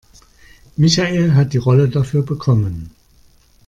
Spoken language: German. Michael hat die Rolle dafür bekommen.